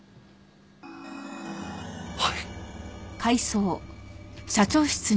はい。